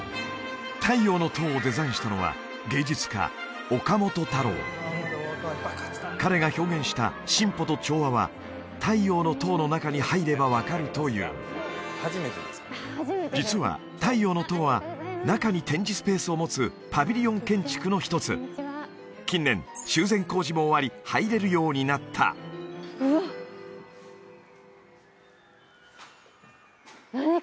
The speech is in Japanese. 太陽の塔をデザインしたのは芸術家彼が表現した「進歩と調和」は太陽の塔の中に入れば分かるという実は太陽の塔は中に展示スペースを持つパビリオン建築の一つ近年修繕工事も終わり入れるようになったうわっ何？